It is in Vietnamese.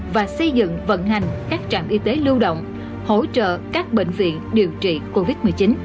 và xây dựng vận hành các trạm y tế lưu động hỗ trợ các bệnh viện điều trị covid một mươi chín